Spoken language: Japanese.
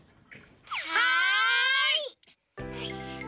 はい！